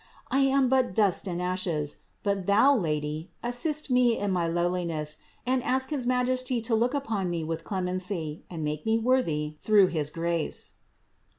I am but dust and ashes, but do Thou, Lady, assist me in my lowliness and ask his Majesty to look upon me with clemency and make me worthy through his grace."